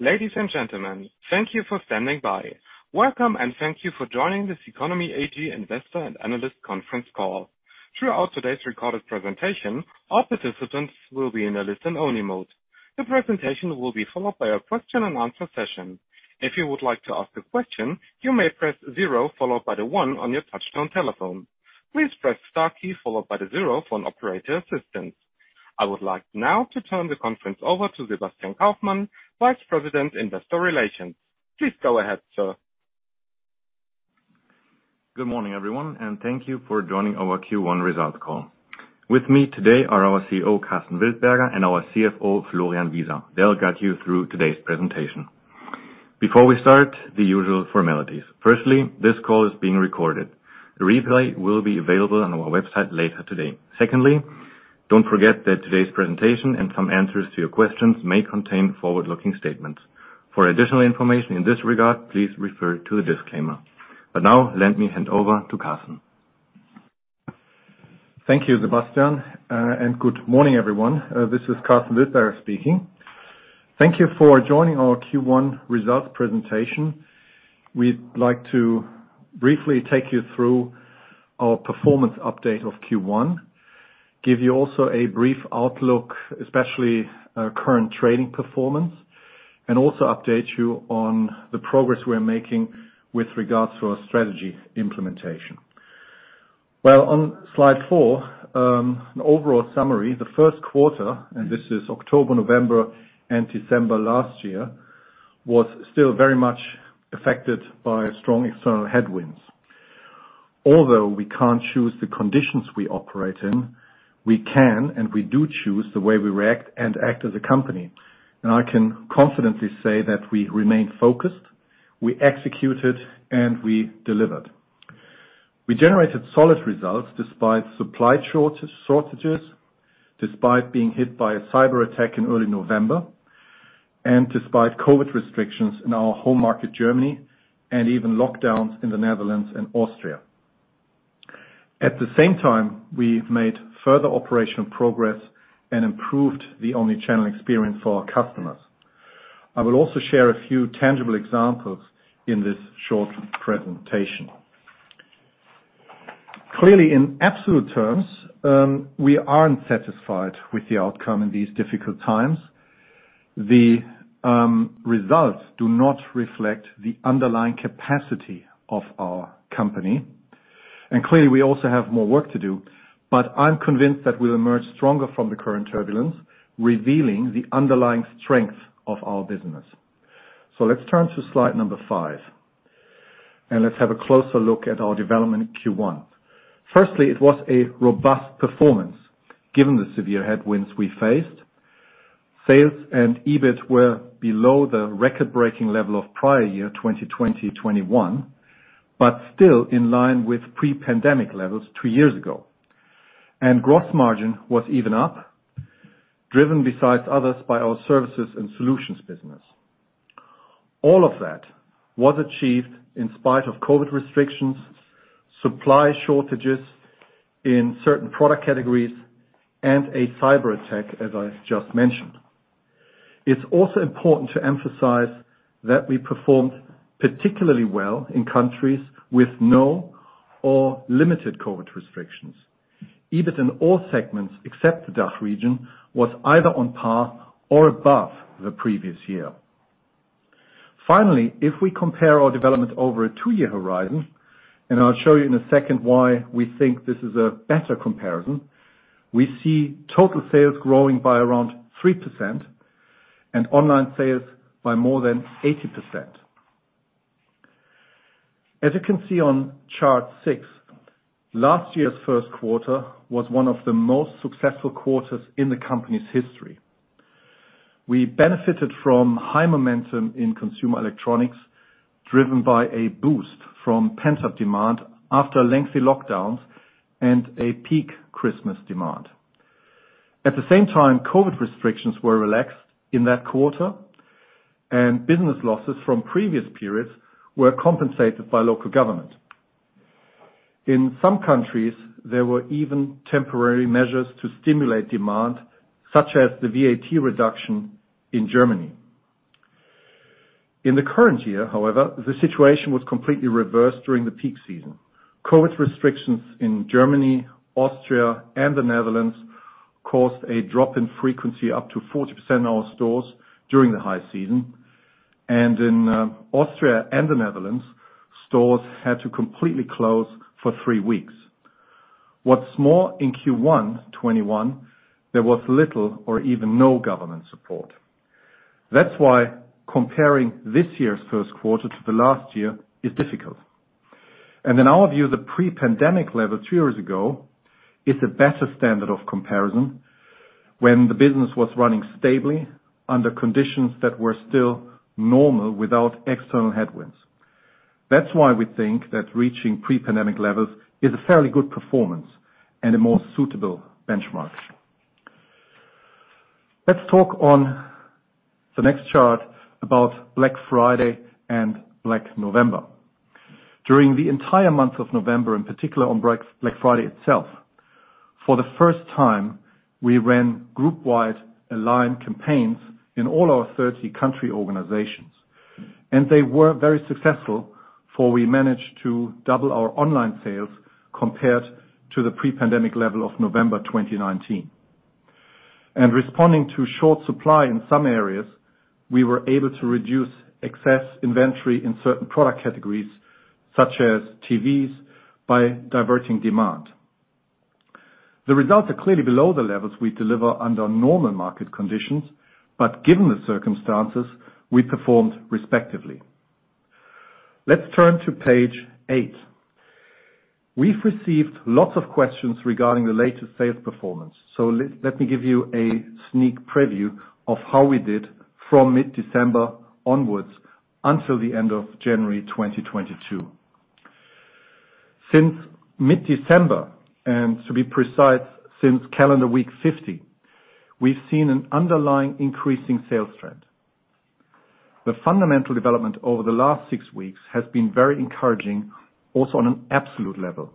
Ladies and gentlemen, thank you for standing by. Welcome, and thank you for joining this Ceconomy AG Investor and Analyst Conference Call. Throughout today's recorded presentation, all participants will be in a listen-only mode. The presentation will be followed by a question-and-answer session. If you would like to ask a question, you may press zero followed by the one on your touchtone telephone. Please press star key followed by the zero for an operator assistance. I would like now to turn the conference over to Sebastian Kauffmann, Vice President, Investor Relations. Please go ahead, sir. Good morning, everyone, and thank you for joining our Q1 results call. With me today are our CEO, Karsten Wildberger, and our CFO, Florian Wieser. They'll guide you through today's presentation. Before we start, the usual formalities. Firstly, this call is being recorded. The replay will be available on our website later today. Secondly, don't forget that today's presentation and some answers to your questions may contain forward-looking statements. For additional information in this regard, please refer to the disclaimer. Now let me hand over to Karsten. Thank you, Sebastian. Good morning, everyone. This is Karsten Wildberger speaking. Thank you for joining our Q1 results presentation. We'd like to briefly take you through our performance update of Q1, give you also a brief outlook, especially our current trading performance, and also update you on the progress we're making with regards to our strategy implementation. On slide four, an overall summary. The first quarter, and this is October, November, and December last year, was still very much affected by strong external headwinds. Although we can't choose the conditions we operate in, we can and we do choose the way we react and act as a company. I can confidently say that we remained focused, we executed, and we delivered. We generated solid results despite supply shortages, despite being hit by a cyberattack in early November, and despite COVID restrictions in our home market, Germany, and even lockdowns in the Netherlands and Austria. At the same time, we made further operational progress and improved the omnichannel experience for our customers. I will also share a few tangible examples in this short presentation. Clearly, in absolute terms, we aren't satisfied with the outcome in these difficult times. The results do not reflect the underlying capacity of our company. Clearly, we also have more work to do, but I'm convinced that we'll emerge stronger from the current turbulence, revealing the underlying strength of our business. Let's turn to slide number 5, and let's have a closer look at our development in Q1. Firstly, it was a robust performance given the severe headwinds we faced. Sales and EBIT were below the record-breaking level of prior year, 2021, but still in line with pre-pandemic levels two years ago. Gross margin was even up, driven besides others by our services and solutions business. All of that was achieved in spite of COVID restrictions, supply shortages in certain product categories, and a cyberattack, as I just mentioned. It's also important to emphasize that we performed particularly well in countries with no or limited COVID restrictions. EBIT in all segments, except the DACH region, was either on par or above the previous year. Finally, if we compare our development over a two-year horizon, and I'll show you in a second why we think this is a better comparison, we see total sales growing by around 3% and online sales by more than 80%. As you can see on chart 6, last year's first quarter was one of the most successful quarters in the company's history. We benefited from high momentum in consumer electronics, driven by a boost from pent-up demand after lengthy lockdowns and a peak Christmas demand. At the same time, COVID restrictions were relaxed in that quarter, and business losses from previous periods were compensated by local government. In some countries, there were even temporary measures to stimulate demand, such as the VAT reduction in Germany. In the current year, however, the situation was completely reversed during the peak season. COVID restrictions in Germany, Austria, and the Netherlands caused a drop in frequency up to 40% of our stores during the high season. In Austria and the Netherlands, stores had to completely close for 3 weeks. What's more, in Q1 2021, there was little or even no government support. That's why comparing this year's first quarter to the last year is difficult. In our view, the pre-pandemic level two years ago is a better standard of comparison when the business was running stably under conditions that were still normal without external headwinds. That's why we think that reaching pre-pandemic levels is a fairly good performance and a more suitable benchmark. Let's talk on the next chart about Black Friday and Black November. During the entire month of November, in particular on Black Friday itself, for the first time, we ran group-wide aligned campaigns in all our 30 country organizations. They were very successful, for we managed to double our online sales compared to the pre-pandemic level of November 2019. Responding to short supply in some areas, we were able to reduce excess inventory in certain product categories, such as TVs by diverting demand. The results are clearly below the levels we deliver under normal market conditions, but given the circumstances, we performed respectably. Let's turn to page 8. We've received lots of questions regarding the latest sales performance. Let me give you a sneak preview of how we did from mid-December onwards until the end of January 2022. Since mid-December, and to be precise, since calendar week 50, we've seen an underlying increasing sales trend. The fundamental development over the last six weeks has been very encouraging, also on an absolute level.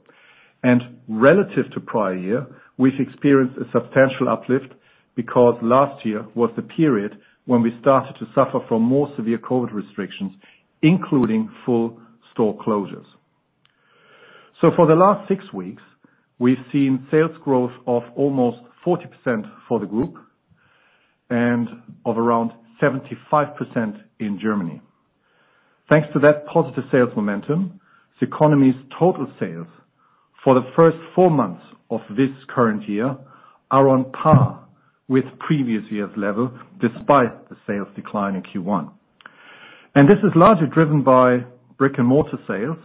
Relative to prior year, we've experienced a substantial uplift because last year was the period when we started to suffer from more severe COVID restrictions, including full store closures. For the last six weeks, we've seen sales growth of almost 40% for the group and of around 75% in Germany. Thanks to that positive sales momentum, Ceconomy's total sales for the first four months of this current year are on par with previous years' level, despite the sales decline in Q1. This is largely driven by brick-and-mortar sales,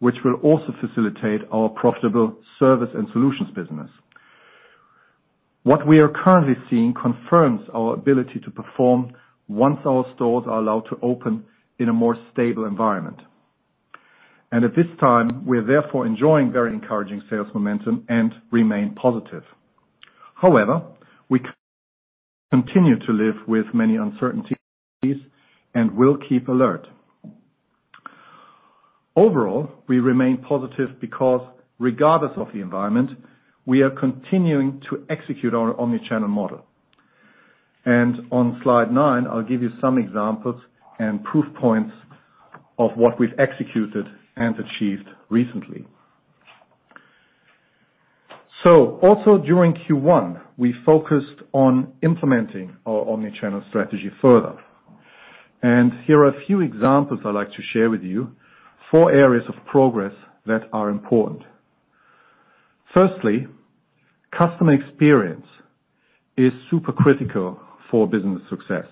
which will also facilitate our profitable service and solutions business. What we are currently seeing confirms our ability to perform once our stores are allowed to open in a more stable environment. At this time, we're therefore enjoying very encouraging sales momentum and remain positive. However, we continue to live with many uncertainties and will keep alert. Overall, we remain positive because regardless of the environment, we are continuing to execute our omnichannel model. On slide 9, I'll give you some examples and proof points of what we've executed and achieved recently. Also during Q1, we focused on implementing our omnichannel strategy further. Here are a few examples I'd like to share with you, 4 areas of progress that are important. Firstly, customer experience is super critical for business success,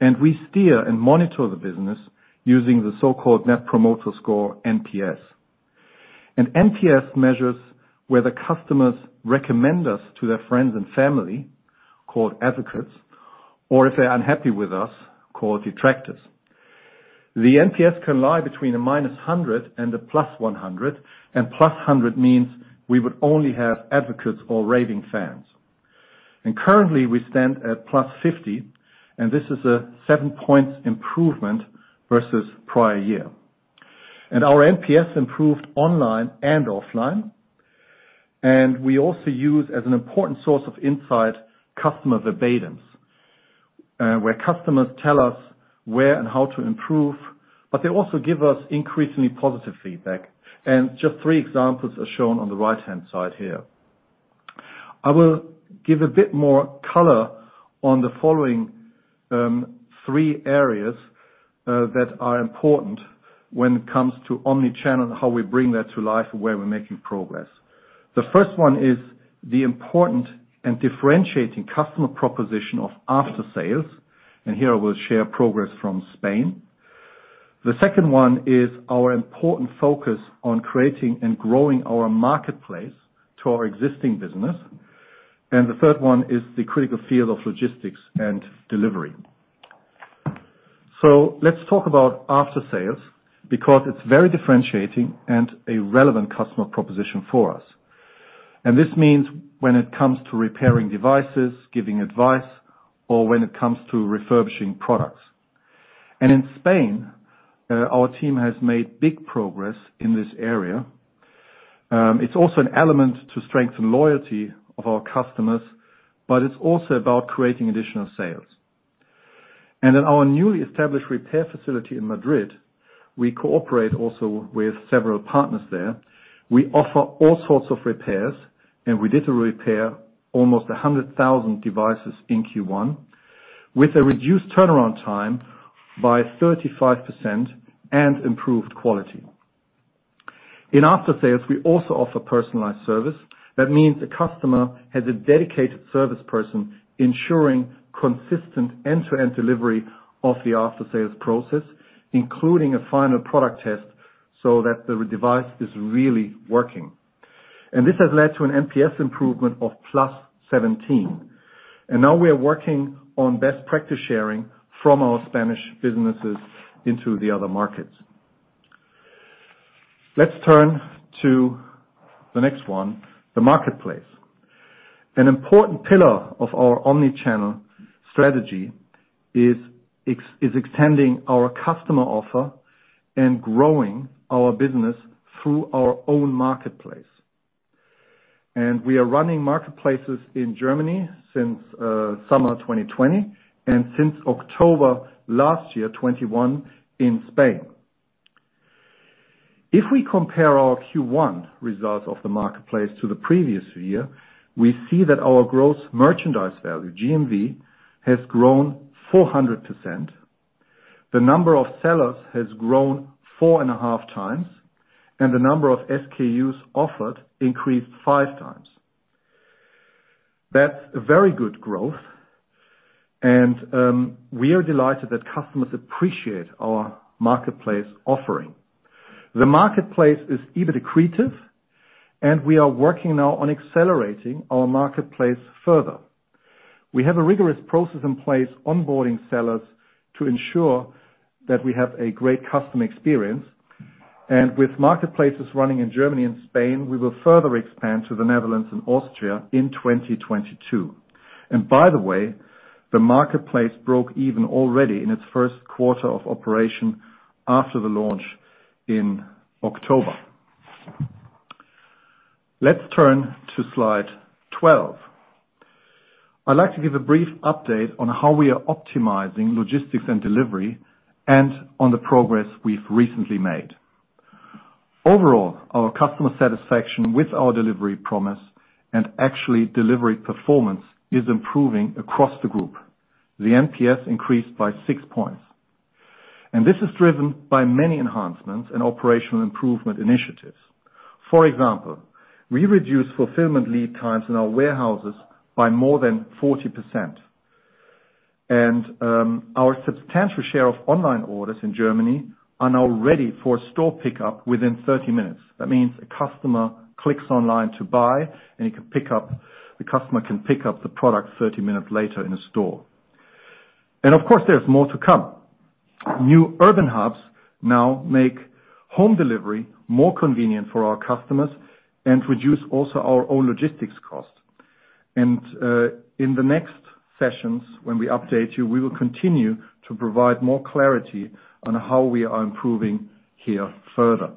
and we steer and monitor the business using the so-called Net Promoter Score, NPS. An NPS measures where the customers recommend us to their friends and family, called advocates, or if they are unhappy with us, called detractors. The NPS can lie between -100 and +100, and +100 means we would only have advocates or raving fans. Currently, we stand at +50, and this is a 7 points improvement versus prior year. Our NPS improved online and offline, and we also use as an important source of insight, customer verbatim, where customers tell us where and how to improve, but they also give us increasingly positive feedback. Just three examples are shown on the right-hand side here. I will give a bit more color on the following three areas that are important when it comes to omnichannel, how we bring that to life, where we're making progress. The first one is the important and differentiating customer proposition of after sales, and here I will share progress from Spain. The second one is our important focus on creating and growing our marketplace to our existing business. The third one is the critical field of logistics and delivery. Let's talk about after sales because it's very differentiating and a relevant customer proposition for us. This means when it comes to repairing devices, giving advice, or when it comes to refurbishing products. In Spain, our team has made big progress in this area. It's also an element to strengthen loyalty of our customers, but it's also about creating additional sales. In our newly established repair facility in Madrid, we cooperate also with several partners there. We offer all sorts of repairs, and we did repair almost 100,000 devices in Q1 with a reduced turnaround time by 35% and improved quality. In after sales, we also offer personalized service. That means the customer has a dedicated service person ensuring consistent end-to-end delivery of the after-sales process, including a final product test so that the device is really working. This has led to an NPS improvement of +17. Now we are working on best practice sharing from our Spanish businesses into the other markets. Let's turn to the next one, the marketplace. An important pillar of our omnichannel strategy is extending our customer offer and growing our business through our own marketplace. We are running marketplaces in Germany since summer 2020, and since October last year, 2021, in Spain. If we compare our Q1 results of the marketplace to the previous year, we see that our gross merchandise value, GMV, has grown 400%. The number of sellers has grown 4.5 times, and the number of SKUs offered increased 5 times. That's a very good growth, and we are delighted that customers appreciate our marketplace offering. The marketplace is EBIT accretive, and we are working now on accelerating our marketplace further. We have a rigorous process in place onboarding sellers to ensure that we have a great customer experience. With marketplaces running in Germany and Spain, we will further expand to the Netherlands and Austria in 2022. By the way, the marketplace broke even already in its first quarter of operation after the launch in October. Let's turn to slide 12. I'd like to give a brief update on how we are optimizing logistics and delivery and on the progress we've recently made. Overall, our customer satisfaction with our delivery promise and actually delivery performance is improving across the group. The NPS increased by six points. This is driven by many enhancements and operational improvement initiatives. For example, we reduced fulfillment lead times in our warehouses by more than 40%. Our substantial share of online orders in Germany are now ready for store pickup within 30 minutes. That means a customer clicks online to buy, and the customer can pick up the product 30 minutes later in a store. Of course, there's more to come. New urban hubs now make home delivery more convenient for our customers and reduce also our own logistics costs. In the next sessions, when we update you, we will continue to provide more clarity on how we are improving here further.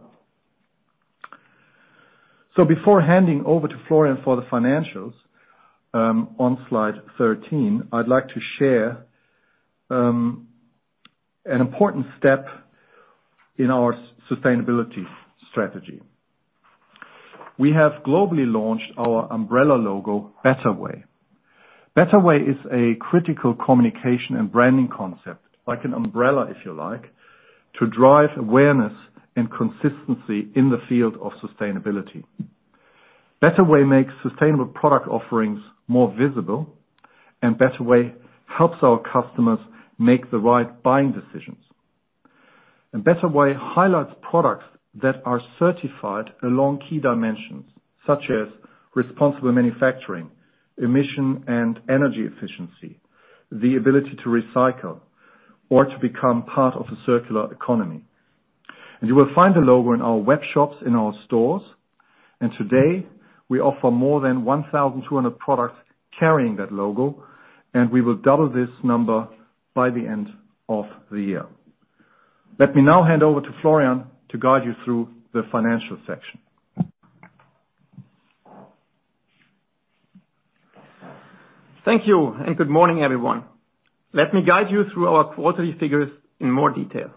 Before handing over to Florian for the financials, on slide 13, I'd like to share an important step in our sustainability strategy. We have globally launched our umbrella logo, BetterWay. BetterWay is a critical communication and branding concept, like an umbrella, if you like, to drive awareness and consistency in the field of sustainability. BetterWay makes sustainable product offerings more visible, and BetterWay helps our customers make the right buying decisions. BetterWay highlights products that are certified along key dimensions, such as responsible manufacturing, emission and energy efficiency, the ability to recycle or to become part of a circular economy. You will find the logo in our web shops, in our stores. Today, we offer more than 1,200 products carrying that logo, and we will double this number by the end of the year. Let me now hand over to Florian to guide you through the financial section. Thank you, and good morning, everyone. Let me guide you through our quarterly figures in more detail.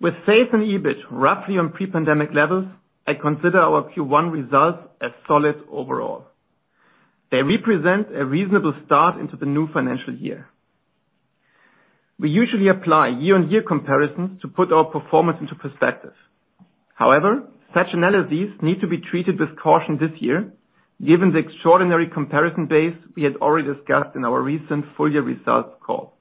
With sales and EBIT roughly on pre-pandemic levels, I consider our Q1 results as solid overall. They represent a reasonable start into the new financial year. We usually apply year-on-year comparisons to put our performance into perspective. However, such analyses need to be treated with caution this year, given the extraordinary comparison base we had already discussed in our recent full year results call.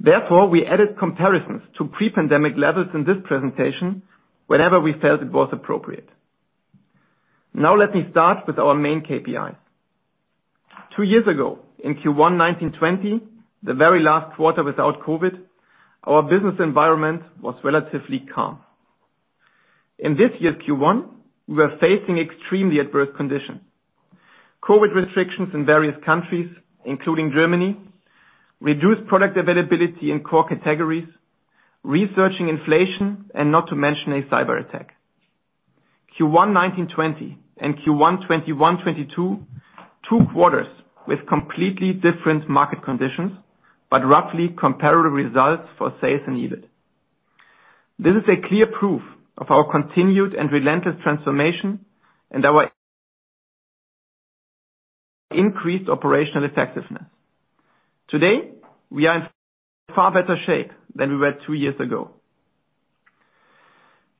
Therefore, we added comparisons to pre-pandemic levels in this presentation whenever we felt it was appropriate. Now let me start with our main KPI. Two years ago, in Q1 2020, the very last quarter without COVID, our business environment was relatively calm. In this year's Q1, we are facing extremely adverse conditions. COVID restrictions in various countries, including Germany, reduced product availability in core categories, resurging inflation, and not to mention a cyberattack. Q1 2020 and Q1 2021-22, two quarters with completely different market conditions, but roughly comparable results for sales and EBIT. This is a clear proof of our continued and relentless transformation and our increased operational effectiveness. Today, we are in far better shape than we were two years ago.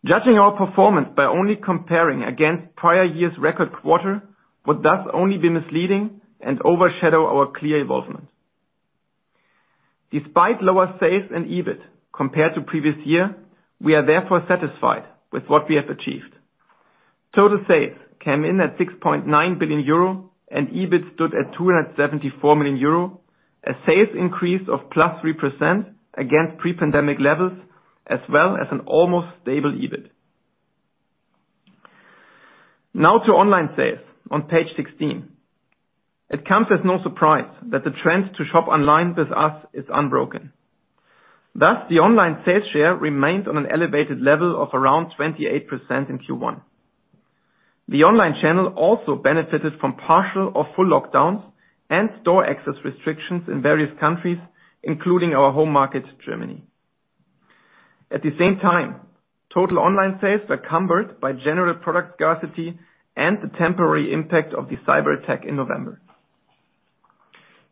Judging our performance by only comparing against prior year's record quarter would thus only be misleading and overshadow our clear involvement. Despite lower sales and EBIT compared to previous year, we are therefore satisfied with what we have achieved. Total sales came in at 6.9 billion euro, and EBIT stood at 274 million euro. A sales increase of +3% against pre-pandemic levels, as well as an almost stable EBIT. Now to online sales on page 16. It comes as no surprise that the trend to shop online with us is unbroken. Thus, the online sales share remained on an elevated level of around 28% in Q1. The online channel also benefited from partial or full lockdowns and store access restrictions in various countries, including our home market, Germany. At the same time, total online sales were encumbered by general product scarcity and the temporary impact of the cyberattack in November.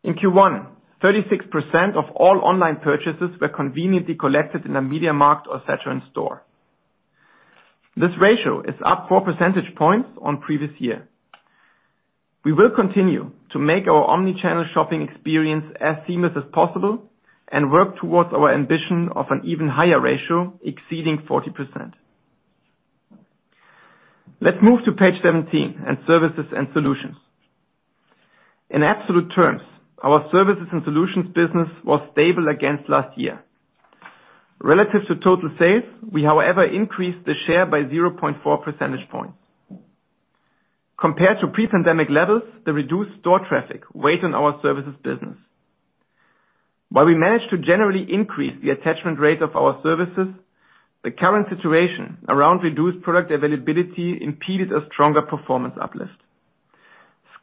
In Q1, 36% of all online purchases were conveniently collected in a MediaMarkt or Saturn store. This ratio is up four percentage points on previous year. We will continue to make our omnichannel shopping experience as seamless as possible and work towards our ambition of an even higher ratio exceeding 40%. Let's move to page 17 in services and solutions. In absolute terms, our services and solutions business was stable against last year. Relative to total sales, we, however, increased the share by 0.4 percentage points. Compared to pre-pandemic levels, the reduced store traffic weighed on our services business. While we managed to generally increase the attachment rate of our services, the current situation around reduced product availability impeded a stronger performance uplift.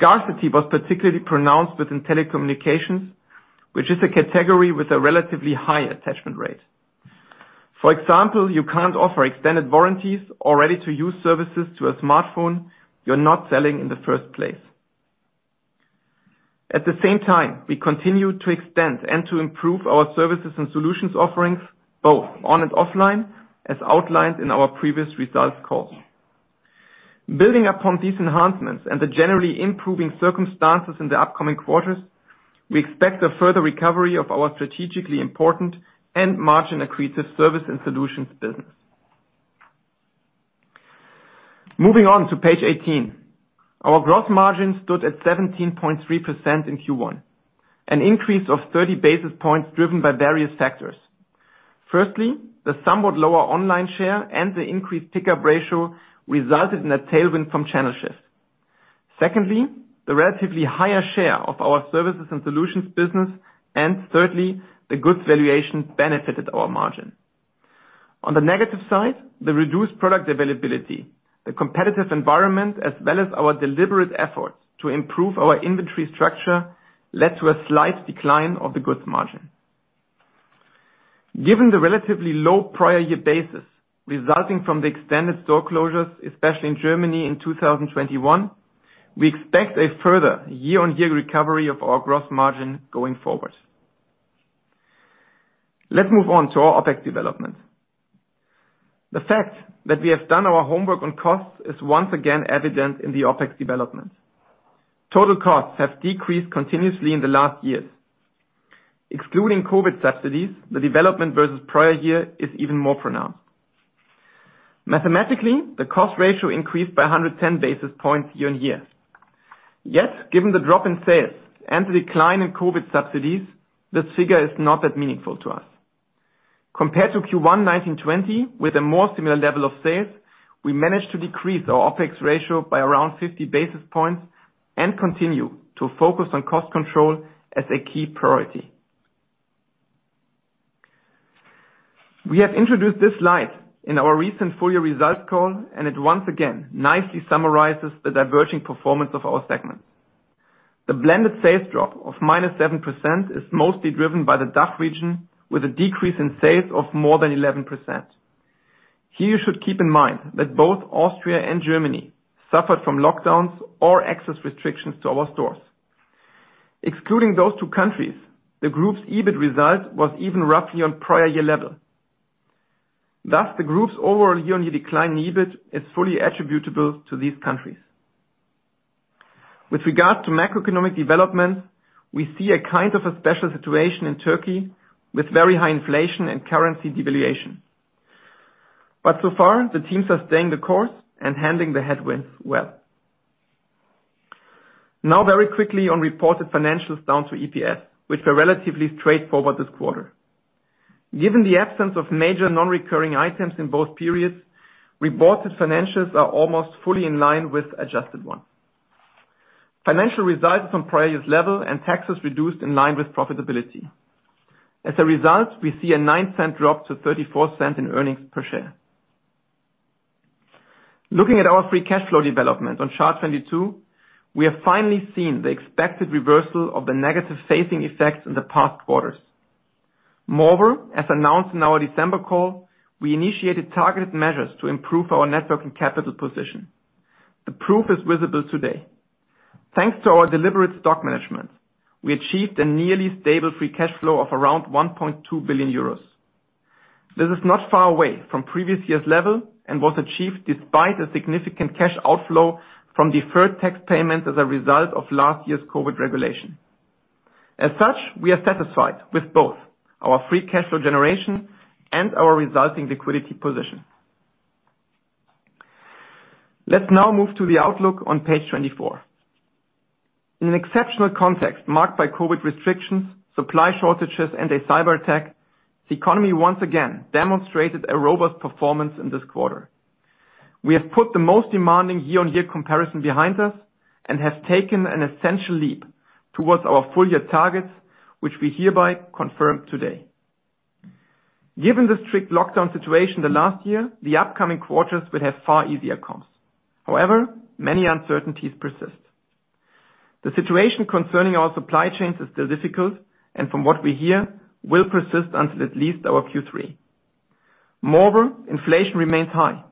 Scarcity was particularly pronounced within telecommunications, which is a category with a relatively high attachment rate. For example, you can't offer extended warranties or ready-to-use services to a smartphone you're not selling in the first place. At the same time, we continued to extend and to improve our services and solutions offerings, both on and offline, as outlined in our previous results calls. Building upon these enhancements and the generally improving circumstances in the upcoming quarters, we expect a further recovery of our strategically important and margin-accretive service and solutions business. Moving on to page 18. Our gross margin stood at 17.3% in Q1, an increase of 30 basis points driven by various factors. Firstly, the somewhat lower online share and the increased pickup ratio resulted in a tailwind from channel shifts. Secondly, the relatively higher share of our services and solutions business, and thirdly, the goods valuation benefited our margin. On the negative side, the reduced product availability, the competitive environment, as well as our deliberate efforts to improve our inventory structure, led to a slight decline of the goods margin. Given the relatively low prior year basis resulting from the extended store closures, especially in Germany in 2021, we expect a further year-on-year recovery of our gross margin going forward. Let's move on to our OpEx development. The fact that we have done our homework on costs is once again evident in the OpEx development. Total costs have decreased continuously in the last years. Excluding COVID subsidies, the development versus prior year is even more pronounced. Mathematically, the cost ratio increased by 110 basis points year-on-year. Yet, given the drop in sales and the decline in COVID subsidies, this figure is not that meaningful to us. Compared to Q1 2020 with a more similar level of sales, we managed to decrease our OpEx ratio by around 50 basis points and continue to focus on cost control as a key priority. We have introduced this slide in our recent full-year results call, and it once again nicely summarizes the diverging performance of our segments. The blended sales drop of -7% is mostly driven by the DACH region, with a decrease in sales of more than 11%. Here, you should keep in mind that both Austria and Germany suffered from lockdowns or access restrictions to our stores. Excluding those two countries, the group's EBIT result was even roughly on prior year level. Thus, the group's overall year-over-year decline in EBIT is fully attributable to these countries. With regard to macroeconomic development, we see a kind of a special situation in Turkey with very high inflation and currency devaluation. So far, the teams are staying the course and handling the headwinds well. Now very quickly on reported financials down to EPS, which were relatively straightforward this quarter. Given the absence of major non-recurring items in both periods, reported financials are almost fully in line with adjusted one. Financial result is on prior year's level and taxes reduced in line with profitability. As a result, we see a 0.09 drop to 0.34 in earnings per share. Looking at our free cash flow development on chart 22, we have finally seen the expected reversal of the negative phasing effects in the past quarters. Moreover, as announced in our December call, we initiated targeted measures to improve our net working capital position. The proof is visible today. Thanks to our deliberate stock management, we achieved a nearly stable free cash flow of around 1.2 billion euros. This is not far away from previous year's level and was achieved despite a significant cash outflow from deferred tax payments as a result of last year's COVID regulation. As such, we are satisfied with both our free cash flow generation and our resulting liquidity position. Let's now move to the outlook on page 24. In an exceptional context marked by COVID restrictions, supply shortages and a cyberattack, the economy once again demonstrated a robust performance in this quarter. We have put the most demanding year-on-year comparison behind us and have taken an essential leap towards our full year targets, which we hereby confirm today. Given the strict lockdown situation in the last year, the upcoming quarters will have far easier comps. However, many uncertainties persist. The situation concerning our supply chains is still difficult, and from what we hear, will persist until at least our Q3. Moreover, inflation remains high.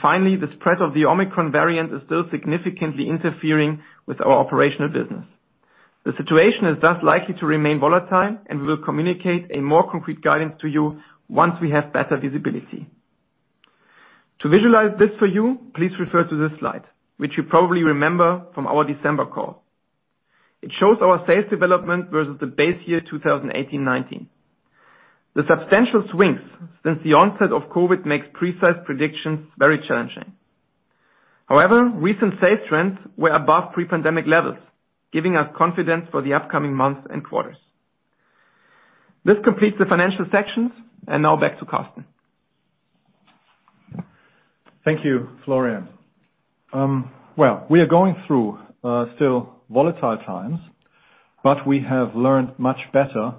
Finally, the spread of the Omicron variant is still significantly interfering with our operational business. The situation is thus likely to remain volatile, and we will communicate a more concrete guidance to you once we have better visibility. To visualize this for you, please refer to this slide, which you probably remember from our December call. It shows our sales development versus the base year 2018/19. The substantial swings since the onset of COVID makes precise predictions very challenging. However, recent sales trends were above pre-pandemic levels, giving us confidence for the upcoming months and quarters. This completes the financial sections, and now back to Karsten. Thank you, Florian. Well, we are going through still volatile times, but we have learned much better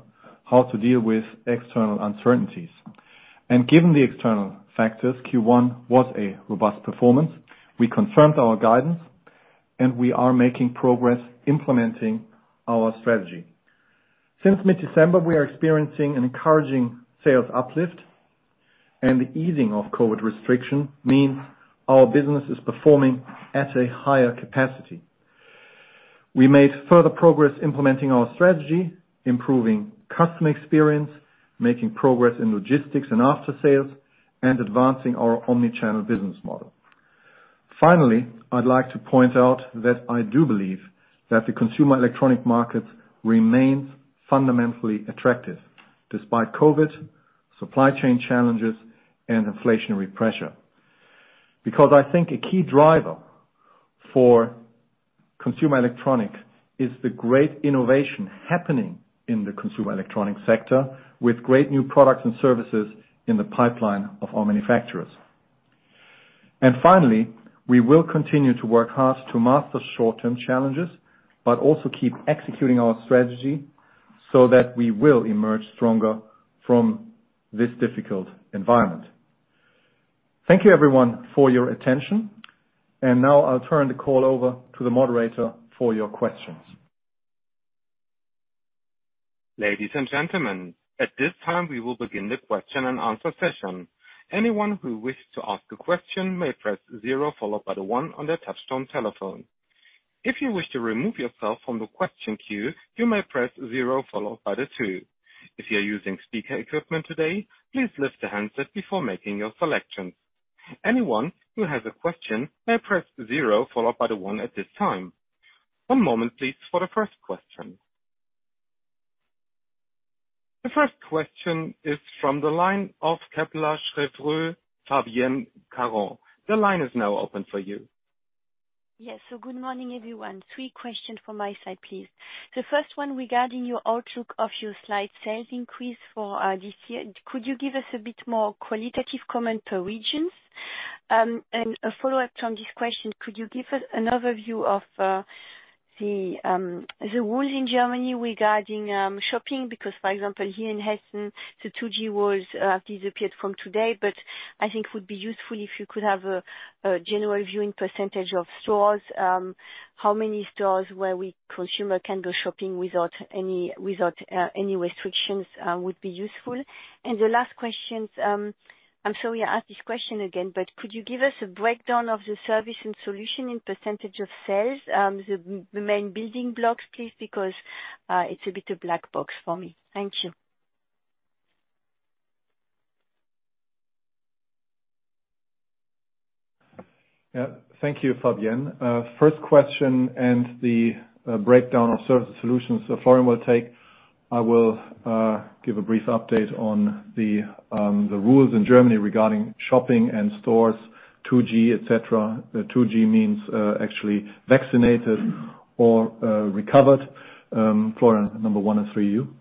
how to deal with external uncertainties. Given the external factors, Q1 was a robust performance. We confirmed our guidance, and we are making progress implementing our strategy. Since mid-December, we are experiencing an encouraging sales uplift, and the easing of COVID restriction means our business is performing at a higher capacity. We made further progress implementing our strategy, improving customer experience, making progress in logistics and after-sales, and advancing our omnichannel business model. Finally, I'd like to point out that I do believe that the consumer electronics market remains fundamentally attractive despite COVID, supply chain challenges, and inflationary pressure. Because I think a key driver for consumer electronics is the great innovation happening in the consumer electronics sector with great new products and services in the pipeline of our manufacturers. Finally, we will continue to work hard to master short-term challenges, but also keep executing our strategy so that we will emerge stronger from this difficult environment. Thank you everyone for your attention. Now I'll turn the call over to the moderator for your questions. Ladies and gentlemen, at this time, we will begin the question and answer session. One moment, please, for the first question. The first question is from the line of Kepler Cheuvreux, Fabienne Caron. The line is now open for you. Good morning, everyone. Three questions from my side, please. The first one regarding your outlook of your slight sales increase for this year. Could you give us a bit more qualitative comment per regions? A follow-up from this question, could you give us an overview of the rules in Germany regarding shopping? Because, for example, here in Hessen, the 2G rules disappeared from today, but I think it would be useful if you could have a general viewing percentage of stores, how many stores where the consumer can go shopping without any restrictions, would be useful. The last question, I'm sorry I ask this question again, but could you give us a breakdown of the service and solution in percentage of sales, the main building blocks, please, because it's a bit a black box for me. Thank you. Yeah. Thank you, Fabienne. First question and the breakdown of service solutions, so Florian will take. I will give a brief update on the rules in Germany regarding shopping and stores, 2G, et cetera. The 2G means actually vaccinated or recovered. Florian, number one is for you.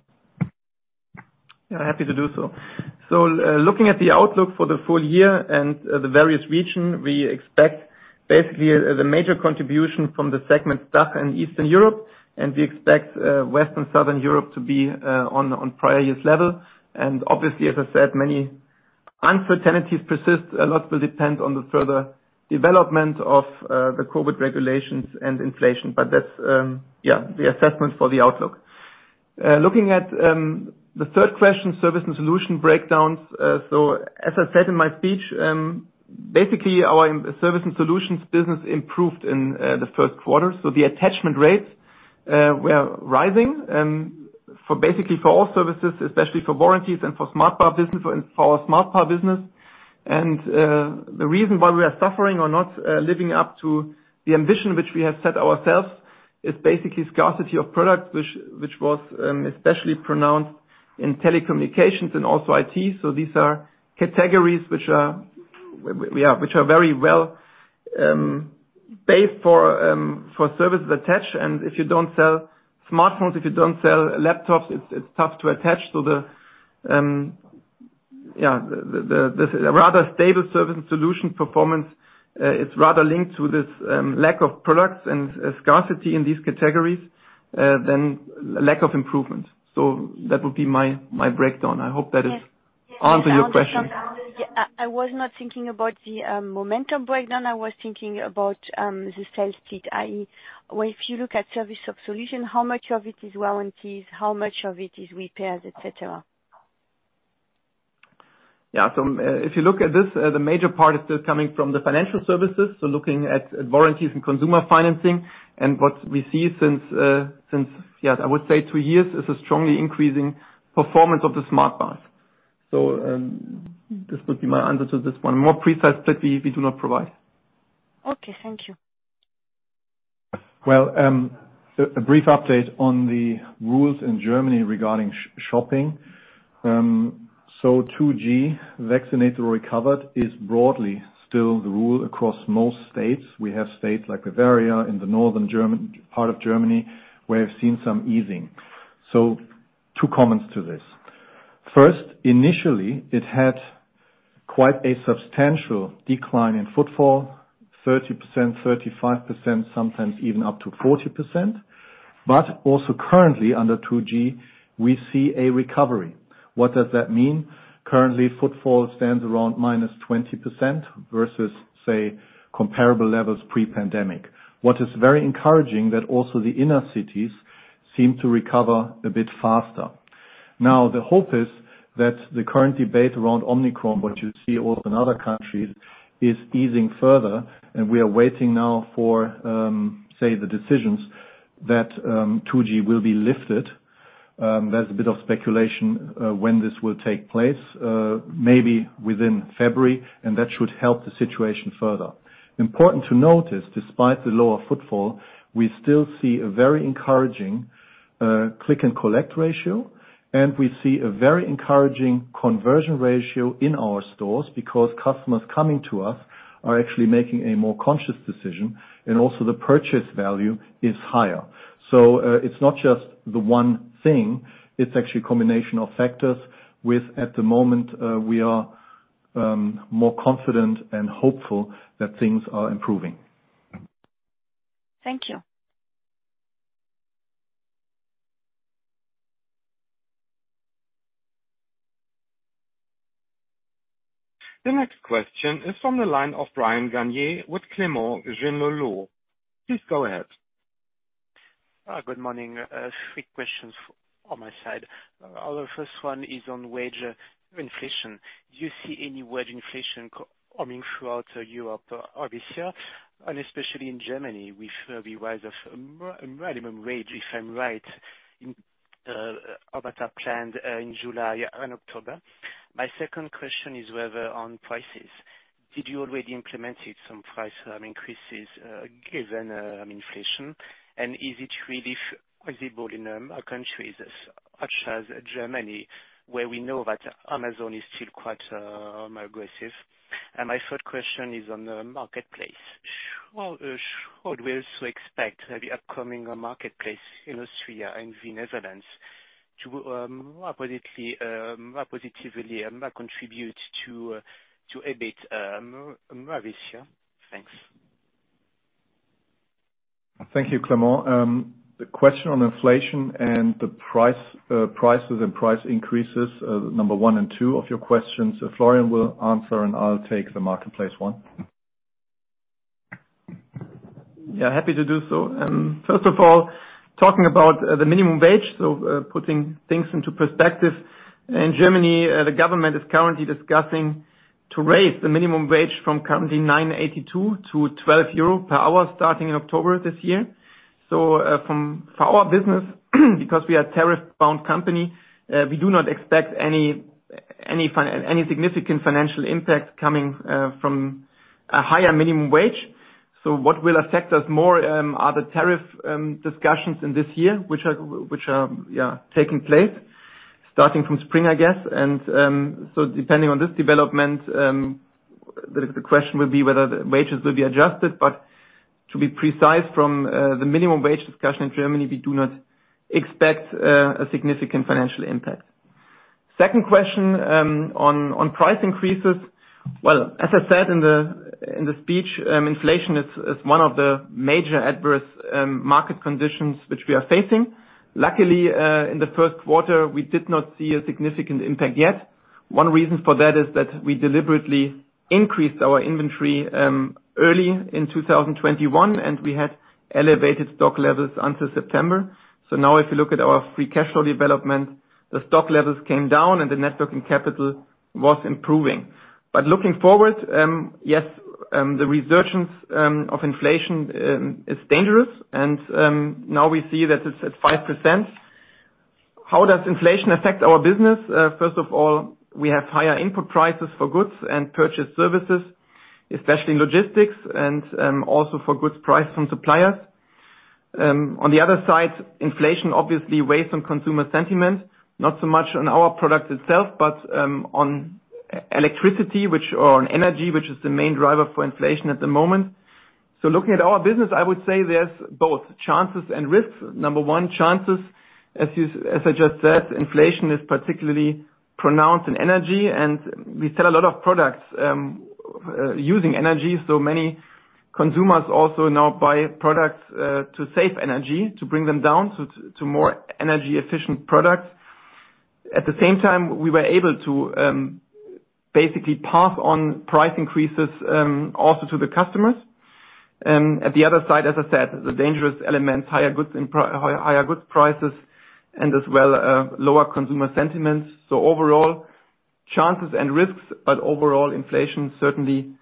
Yeah, happy to do so. Looking at the outlook for the full year and the various region, we expect basically the major contribution from the segment DACH and Eastern Europe, and we expect Western Southern Europe to be on prior year's level. Obviously, as I said, many uncertainties persist. A lot will depend on the further development of the COVID regulations and inflation. That's the assessment for the outlook. Looking at the third question, service and solution breakdowns. As I said in my speech, basically our service and solutions business improved in the first quarter. The attachment rates were rising for basically all services, especially for warranties and for Smartbar business for our Smartbar business. The reason why we are suffering or not living up to the ambition which we have set ourselves is basically scarcity of products which was especially pronounced in telecommunications and also IT. These are categories which are very well paid for services attached. If you don't sell smartphones, if you don't sell laptops, it's tough to attach to the rather stable service and solution performance is rather linked to this lack of products and scarcity in these categories than lack of improvement. That would be my breakdown. I hope that it Yes. Answer your question. I was not thinking about the momentum breakdown. I was thinking about the sales mix, i.e., if you look at services and solutions, how much of it is warranties, how much of it is repairs, et cetera? Yeah. If you look at this, the major part is still coming from the financial services. Looking at warranties and consumer financing and what we see since yes, I would say two years, is a strongly increasing performance of the Smart Bars. This would be my answer to this one. More precise split we do not provide. Okay, thank you. Well, a brief update on the rules in Germany regarding shopping. 2G vaccinated or recovered is broadly still the rule across most states. We have states like Bavaria in the southern German part of Germany, where we've seen some easing. Two comments to this. First, initially, it had quite a substantial decline in footfall. 30%, 35%, sometimes even up to 40%. Also currently under 2G, we see a recovery. What does that mean? Currently, footfall stands around -20% versus, say, comparable levels pre-pandemic. What is very encouraging that also the inner cities seem to recover a bit faster. Now, the hope is that the current debate around Omicron, what you see also in other countries, is easing further. We are waiting now for, say, the decisions that 2G will be lifted. There's a bit of speculation when this will take place, maybe within February, and that should help the situation further. Important to notice, despite the lower footfall, we still see a very encouraging Click and Collect ratio, and we see a very encouraging conversion ratio in our stores because customers coming to us are actually making a more conscious decision and also the purchase value is higher. It's not just the one thing, it's actually a combination of factors with, at the moment, we are more confident and hopeful that things are improving. Thank you. The next question is from the line of Bryan, Garnier & Co with Clément Gignoux. Please go ahead. Good morning. Three questions on my side. Our first one is on wage inflation. Do you see any wage inflation coming throughout Europe, obvious here, and especially in Germany with the rise of minimum wage, if I'm right, about our plan in July and October. My second question is whether on prices. Did you already implemented some price increases given inflation? And is it really feasible in countries such as Germany, where we know that Amazon is still quite aggressive. My third question is on the marketplace. Well, should we also expect the upcoming marketplace in Austria and the Netherlands to more positively contribute to EBIT this year? Thanks. Thank you, Clément. The question on inflation and the price, prices and price increases, number one and two of your questions, Florian will answer, and I'll take the marketplace one. Yeah, happy to do so. First of all, talking about the minimum wage, putting things into perspective. In Germany, the government is currently discussing to raise the minimum wage from currently 9.82 to 12 euro per hour, starting in October this year. For our business, because we are a tariff-bound company, we do not expect any significant financial impact coming from a higher minimum wage. What will affect us more are the tariff discussions in this year, which are taking place starting from spring, I guess. Depending on this development, the question will be whether the wages will be adjusted. To be precise, from the minimum wage discussion in Germany, we do not expect a significant financial impact. Second question, on price increases. Well, as I said in the speech, inflation is one of the major adverse market conditions which we are facing. Luckily, in the first quarter, we did not see a significant impact yet. One reason for that is that we deliberately increased our inventory early in 2021, and we had elevated stock levels until September. Now if you look at our free cash flow development, the stock levels came down and the net working capital was improving. Looking forward, the resurgence of inflation is dangerous. Now we see that it's at 5%. How does inflation affect our business? First of all, we have higher input prices for goods and purchased services, especially in logistics and also for goods priced from suppliers. On the other side, inflation obviously weighs on consumer sentiment, not so much on our product itself, but on energy, which is the main driver for inflation at the moment. Looking at our business, I would say there's both chances and risks. Number one, chances, as I just said, inflation is particularly pronounced in energy, and we sell a lot of products using energy, so many consumers also now buy products to save energy, to more energy efficient products. At the same time, we were able to basically pass on price increases also to the customers. At the other side, as I said, the dangerous elements, higher goods prices and as well lower consumer sentiments. Overall, chances and risks, but overall inflation certainly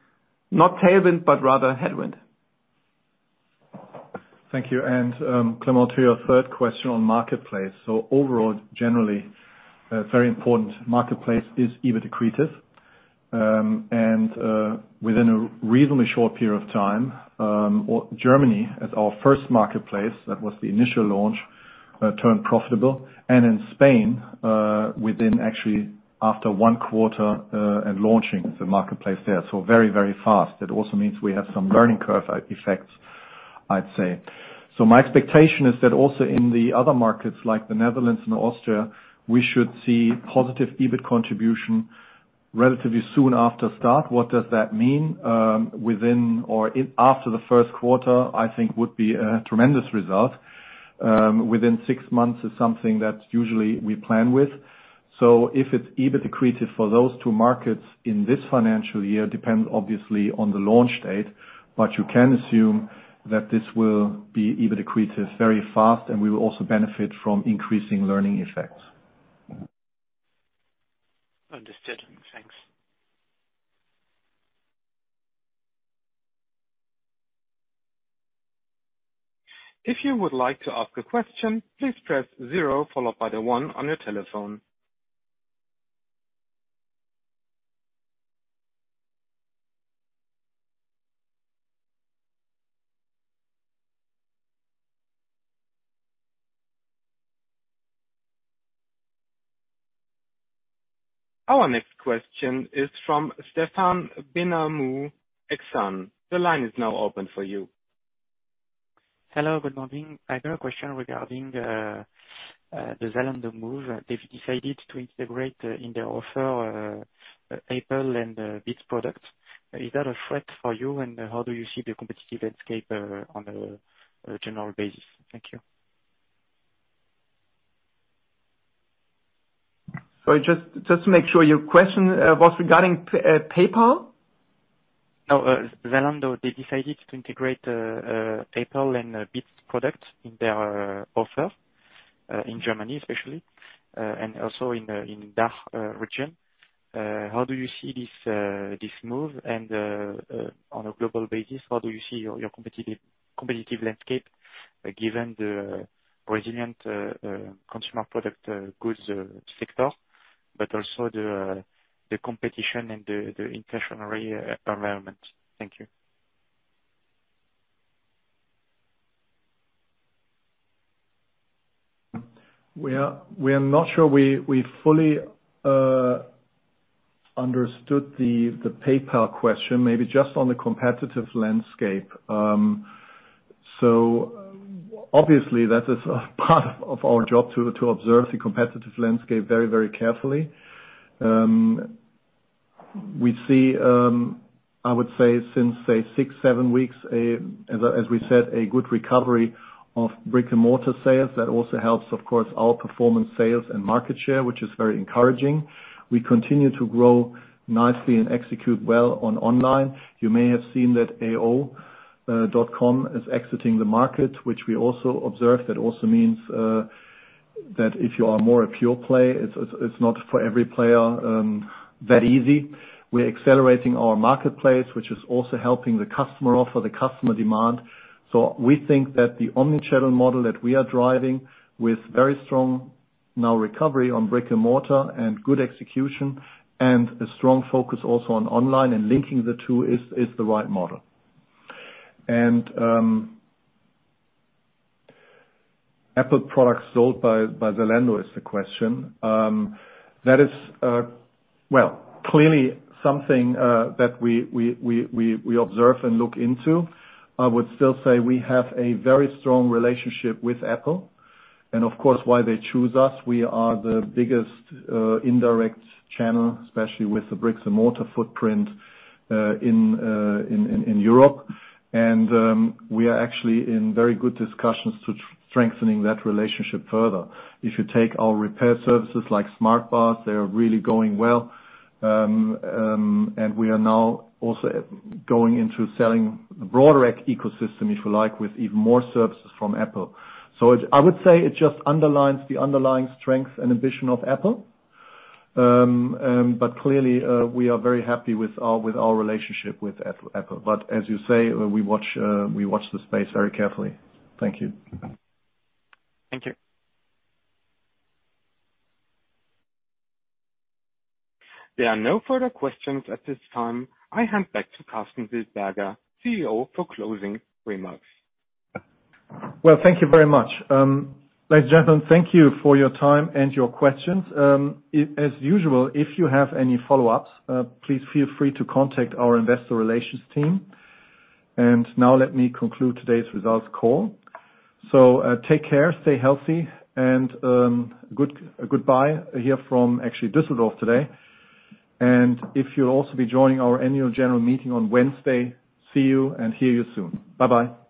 not tailwind, but rather headwind. Thank you. Clément, to your third question on marketplace. Overall, generally, very important, marketplace is EBIT accretive. Within a reasonably short period of time, in Germany as our first marketplace, that was the initial launch, turned profitable. In Spain, within actually after 1 quarter, and launching the marketplace there. Very, very fast. That also means we have some learning curve effects, I'd say. My expectation is that also in the other markets like the Netherlands and Austria, we should see positive EBIT contribution relatively soon after start. What does that mean? Within after the first quarter, I think, would be a tremendous result. Within 6 months is something that usually we plan with. If it's EBIT accretive for those two markets in this financial year, depends obviously on the launch date, but you can assume that this will be EBIT accretive very fast, and we will also benefit from increasing learning effects. Understood. Thanks. Our next question is from Stephan Binamou, Exane. The line is now open for you. Hello, good morning. I have a question regarding the Zalando move. They've decided to integrate, in their offer, Apple and Beats products. Is that a threat for you, and how do you see the competitive landscape on a general basis? Thank you. Sorry, just to make sure, your question was regarding PayPal? Zalando, they decided to integrate Apple and Beats products in their offer, in Germany especially, and also in DACH region. How do you see this move? On a global basis, how do you see your competitive landscape, given the resilient consumer goods sector, but also the competition and the inflationary environment? Thank you. We are not sure we fully understood the PayPal question, maybe just on the competitive landscape. Obviously that is a part of our job to observe the competitive landscape very carefully. We see, I would say since, say, 6-7 weeks, as we said, a good recovery of brick-and-mortar sales. That also helps, of course, our performance sales and market share, which is very encouraging. We continue to grow nicely and execute well on online. You may have seen that ao.com is exiting the market, which we also observe. That also means that if you are more a pure play, it's not for every player that easy. We're accelerating our marketplace, which is also helping the customer offer, the customer demand. We think that the omnichannel model that we are driving with very strong now recovery on brick-and-mortar and good execution and a strong focus also on online and linking the two is the right model. Apple products sold by Zalando is the question. That is well clearly something that we observe and look into. I would still say we have a very strong relationship with Apple. Of course, why they choose us, we are the biggest indirect channel, especially with the brick-and-mortar footprint in Europe. We are actually in very good discussions to strengthening that relationship further. If you take our repair services like Smart Bars, they are really going well. We are now also going into selling the broader ecosystem, if you like, with even more services from Apple. I would say it just underlines the underlying strength and ambition of Apple. We are very happy with our relationship with Apple. As you say, we watch the space very carefully. Thank you. Thank you. There are no further questions at this time. I hand back to Karsten Wildberger, CEO, for closing remarks. Well, thank you very much. Ladies and gentlemen, thank you for your time and your questions. As usual, if you have any follow-ups, please feel free to contact our investor relations team. Now let me conclude today's results call. Take care, stay healthy, and goodbye here from actually Düsseldorf today. If you'll also be joining our annual general meeting on Wednesday, see you and hear you soon. Bye-bye.